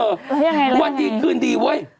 เพราะกิ๊กกิ๊กอ่ะเออวันดีคืนดีเว้ย